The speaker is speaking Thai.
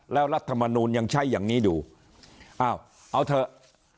แล้วรัฐมนูลยังใช้อย่างนี้อยู่อ้าวเอาเถอะ